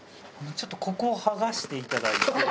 ちょっとここを剥がしていただいて。